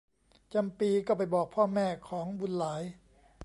จำปีก็ไปบอกพ่อแม่ของบุญหลาย